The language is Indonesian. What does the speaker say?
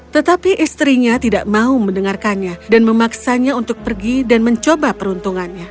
tetapi istrinya tidak mau mendengarkannya dan memaksanya untuk pergi dan mencoba peruntungannya